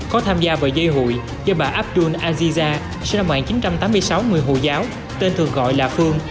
có tham gia vào dây hụi do bà abdul aziza sinh năm một nghìn chín trăm tám mươi sáu người hồi giáo tên thường gọi là phương